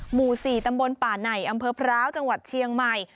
หมู่๔ตำบลป่าไหนอำเภอพร้าวจังหวัดเชียงใหม่